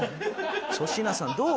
粗品さんどう？